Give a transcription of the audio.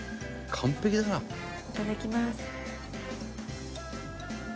いただきます。